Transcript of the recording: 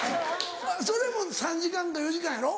それも３時間か４時間やろ？